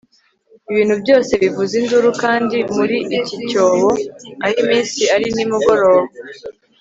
Ibintu byose bivuza induru kandi muri iki cyobo aho iminsi ari nimugoroba